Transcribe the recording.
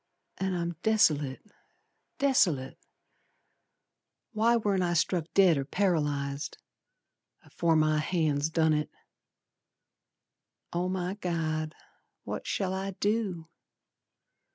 An' I'm desolate, desolate! Why warn't I struck dead or paralyzed Afore my hands done it. Oh, my God, what shall I do!